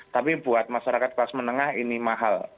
tapi buat masyarakat kelas menengah ini mahal